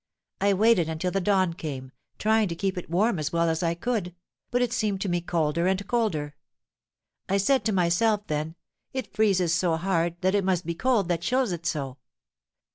I waited until the dawn came, trying to keep it warm as well as I could; but it seemed to me colder and colder. I said to myself then; 'It freezes so hard that it must be the cold that chills it so.'